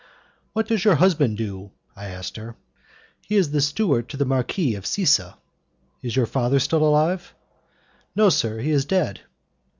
"What does your husband do?" I asked her. "He is steward to the Marquis of Sissa." "Is your father still alive?" "No, sir, he is dead."